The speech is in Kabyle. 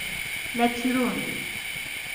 La ttrun.